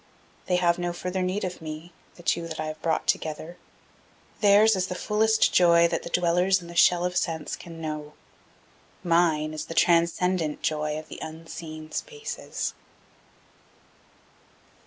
They have no further need of me, the two that I have brought together. Theirs is the fullest joy that the dwellers in the shell of sense can know. Mine is the transcendent joy of the unseen spaces.